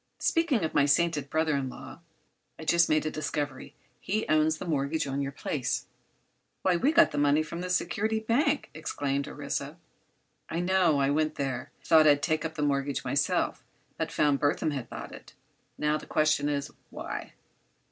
Speaking of my sainted brother in law, I've just made a discovery. He owns the mortgage on your place." "Why, we got the money from the Security Bank!" exclaimed Orissa. "I know. I went there. Thought I'd take up the mortgage myself, but found Burthon had bought it. Now, the question is, why?"